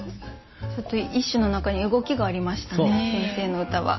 ちょっと一首の中に動きがありましたね先生の歌は。